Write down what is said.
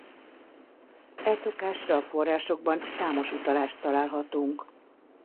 E szokásra a forrásokban számos utalást találhatunk.